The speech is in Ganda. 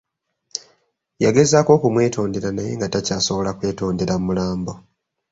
Yagezaako okumwetondera naye nga takyasobola kwetondera mulambo.